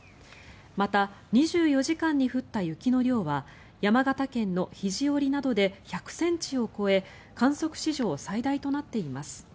また、２４時間に降った雪の量は山形県の肘折などで１００ｃｍを超え観測史上最大となっています。